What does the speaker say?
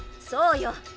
そうよ。